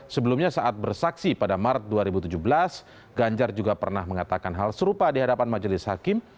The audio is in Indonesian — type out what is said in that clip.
sebelumnya saat bersaksi pada maret dua ribu tujuh belas ganjar juga pernah mengatakan hal serupa di hadapan majelis hakim